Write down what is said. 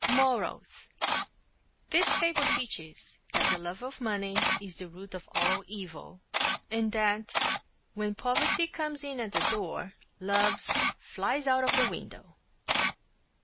MORALS: This Fable teaches that the Love of Money is the Root of All Evil, and that When Poverty Comes In At the Door, Loves Flies Out Of the Window.